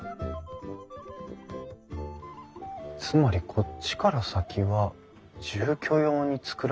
つまりこっちから先は住居用に造られたってことか。